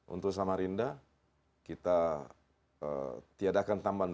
untuk samarinda kita tiadakan tambahan